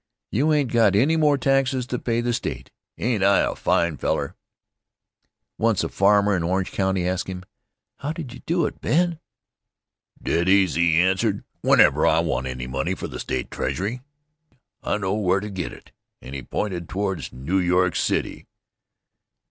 You ain't got any more taxes to pay the State. Ain't I a fine feller?" Once a farmer in Orange County asked him: "How did you do it, Ben?" "Dead easy," he answered. "Whenever I want any money for the State Treasury, I know where to get it," and he pointed toward New York City.